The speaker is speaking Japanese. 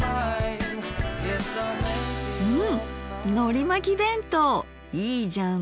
うんのりまき弁当いいじゃん。